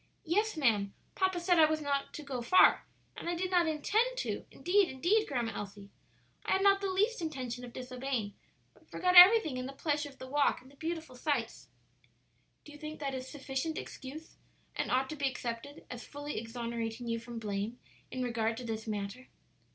"Yes, ma'am; papa said I was not to go far, and I did not intend to; indeed, indeed, Grandma Elsie, I had not the least intention of disobeying, but forgot everything in the pleasure of the walk and the beautiful sights." "Do you think that is sufficient excuse, and ought to be accepted as fully exonerating you from blame in regard to this matter?"